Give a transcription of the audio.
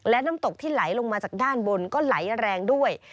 และน้ำตกที่ไหลลงมาจากด้านบนก็ไหลแรงด้วย